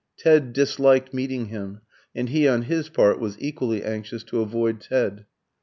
Ted disliked meeting him, and he on his part was equally anxious to avoid Ted.